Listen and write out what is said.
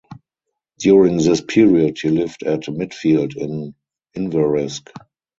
During this period he lived at Midfield in Inveresk.